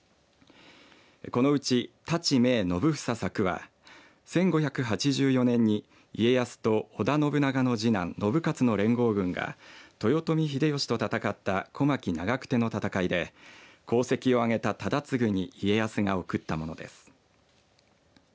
このうち太刀銘信房作は１１８４年に家康と織田信長の次男信雄の連合軍が豊臣秀吉と戦った小牧・長久手の戦いで功績を挙げた忠次に家康が贈ったものです。